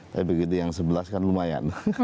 tapi begitu yang sebelas kan lumayan